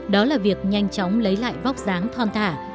đó là việc nhanh chóng lấy lại vóc dáng thon thả